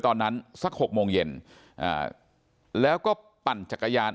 สัก๖โมงเย็นแล้วก็ปั่นจักรยาน